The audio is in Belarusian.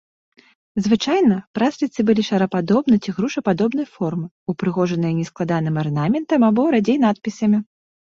Звычайна прасліцы былі шарападобнай ці грушападобнай формы, упрыгожаныя нескладаным арнаментам або, радзей, надпісамі.